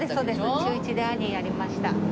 中１で『アニー』やりました。